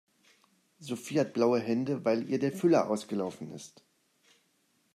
Sophie hat blaue Hände, weil ihr der Füller ausgelaufen ist.